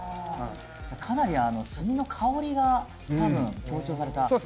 かなり炭の香りが多分強調されたそうです